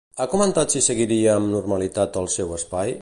Ha comentat si seguiria amb normalitat al seu espai?